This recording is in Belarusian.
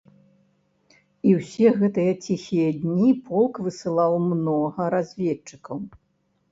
І ўсе гэтыя ціхія дні полк высылаў многа разведчыкаў.